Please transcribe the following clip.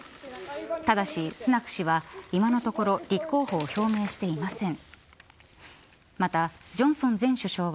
ただし、スナク氏は今のところ立候補を表明していません。